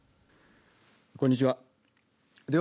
こんにちは。